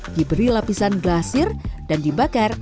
diberi lapisan glasir dan dibakar